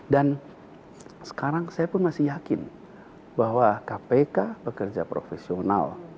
dan sekarang saya pun masih yakin bahwa kpk bekerja profesional